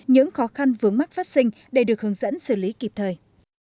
những khó khăn vướng mắc phát sinh để được hướng dẫn xử lý kịp thời